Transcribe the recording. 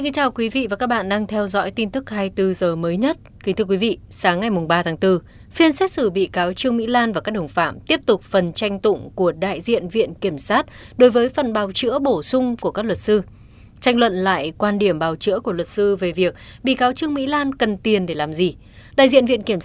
các bạn hãy đăng ký kênh để ủng hộ kênh của chúng mình nhé